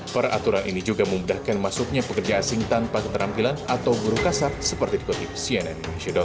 peraturan ini juga memudahkan masuknya pekerja asing tanpa keterampilan atau guru kasar seperti dikutip cnn indonesia com